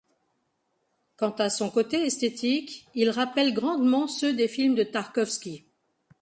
Quant à son côté esthétique, il rappelle grandement ceux des films de Tarkovski.